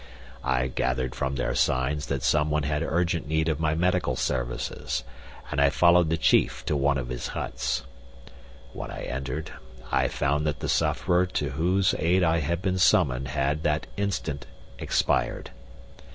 I gathered from their signs that someone had urgent need of my medical services, and I followed the chief to one of his huts. When I entered I found that the sufferer to whose aid I had been summoned had that instant expired.